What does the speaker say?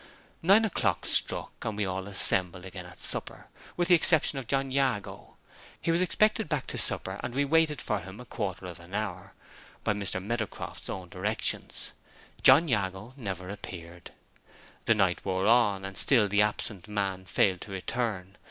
Nine o'clock struck; and we all assembled again at supper, with the exception of John Jago. He was expected back to supper; and we waited for him a quarter of an hour, by Mr. Meadowcroft's own directions. John Jago never appeared. The night wore on, and still the absent man failed to return.